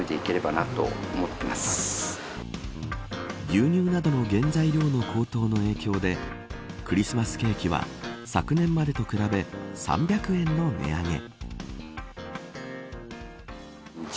牛乳などの原材料の高騰の影響でクリスマスケーキは昨年までと比べ３００円の値上げ。